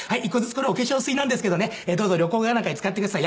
これお化粧水なんですけどねどうぞ旅行かなんかに使ってください。